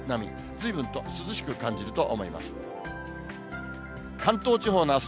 ずいぶんと涼しく感じると思います。